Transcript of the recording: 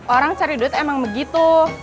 orang cari duit emang begitu